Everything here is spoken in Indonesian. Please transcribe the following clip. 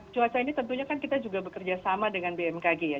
cuaca ini tentunya kan kita juga bekerja sama dengan bmkg ya